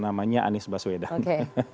namanya anis baswedan oke